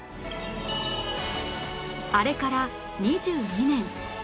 あれから２２年